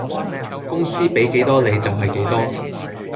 公司比幾多你就係幾多